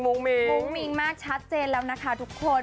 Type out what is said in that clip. มุ้งมิ้งมากชัดเจนแล้วนะคะทุกคน